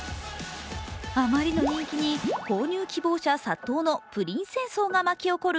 あまりの人気に購入希望者殺到のプリン戦争が巻き起こる